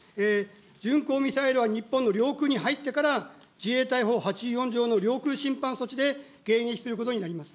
巡航ミサイルは日本の領空に入ってから、自衛隊法８４条の領空侵犯措置で迎撃することになります。